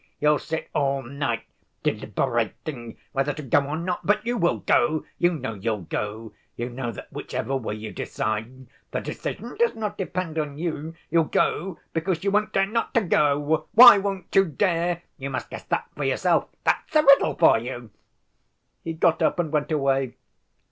You'll sit all night deliberating whether to go or not. But you will go; you know you'll go. You know that whichever way you decide, the decision does not depend on you. You'll go because you won't dare not to go. Why won't you dare? You must guess that for yourself. That's a riddle for you!' He got up and went away.